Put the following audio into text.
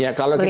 ya kalau kita